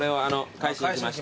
返しに来ました。